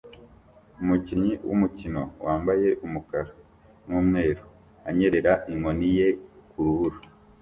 Umukinyi wumukino wambaye umukara numweru anyerera inkoni ye kurubura